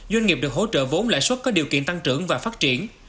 doanh nghiệp được hỗ trợ vốn lãi suất có điều kiện tăng trưởng và phát triển